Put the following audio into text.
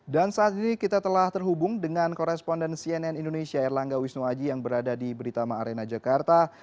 dan saat ini kita telah terhubung dengan koresponden cnn indonesia erlangga wisnuwaji yang berada di beritama arena jakarta